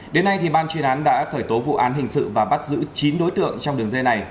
đến nay ban chuyên án đã khởi tố vụ án hình sự và bắt giữ chín đối tượng trong đường dây này